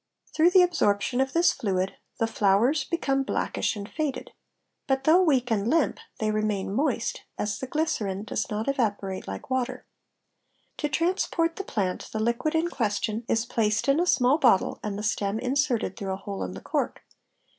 Through the absorption of this fluid the flowers —: become blackish and faded. But, though weak and limp, they remain ~ moist, as the glycerine does not evaporate like water. To transport the plant, the liquid in question is placed in a small bottle and the stem in serted through a hole in the cork.